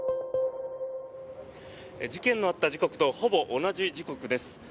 事件のあった時刻とほぼ同じ時刻です。